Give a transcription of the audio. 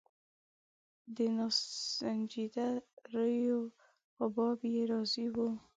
د ناسنجیده رویو په باب یې ناراضي وو.